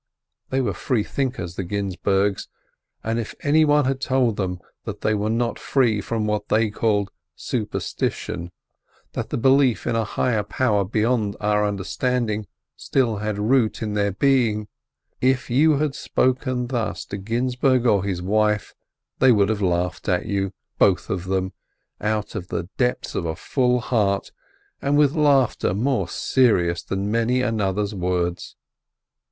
They were free thinkers, the Ginzburgs, and if any one had told them that they were not free from what they called superstition, that the belief in a Higher Power beyond our understanding still had a root in their being, if you had spoken thus to Ginzburg or to his wife, they would have laughed at you, both of them, out of the depths of a full heart and with laughter more serious than many another's words.